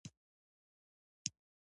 دلته ژلۍ ووري